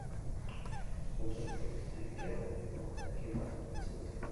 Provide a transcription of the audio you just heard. Puntuek propietate geometriko jakin bat betetzen dute.